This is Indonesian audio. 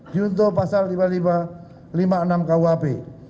junto pasal lima ribu lima ratus lima puluh enam kuhp